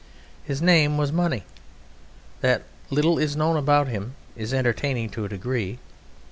His name was Money. The little that is known about him is entertaining to a degree.